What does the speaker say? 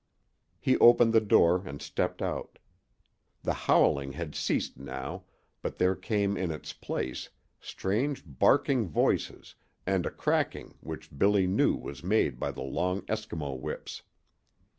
He opened the door and stepped out. The howling had ceased now, but there came in its place strange barking voices and a cracking which Billy knew was made by the long Eskimo whips.